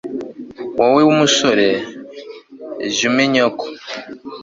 wowe w'umusore, jya umenya ko